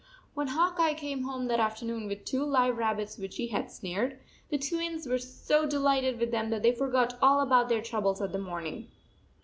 When Hawk Eye came home that after noon with two live rabbits which he had snared, the Twins were so delighted with them that they forgot all about their troubles of the morning.